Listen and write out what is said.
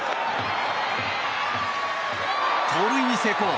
盗塁に成功。